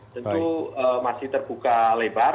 tentu masih terbuka lebar